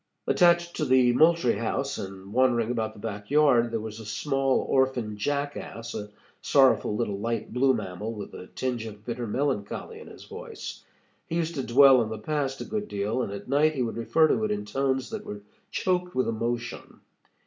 Attached to the Moultrie House, and wandering about the back yard, there was a small orphan jackass, a sorrowful little light blue mammal, with a tinge of bitter melancholy in his voice. He used to dwell on the past a good deal, and at night he would refer to it in tones that were choked with emotion.